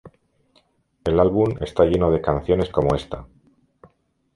El álbum está lleno de canciones como esta.